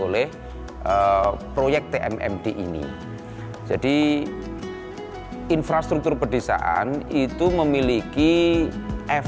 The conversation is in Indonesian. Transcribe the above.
teristant kasih menuntuk duit individu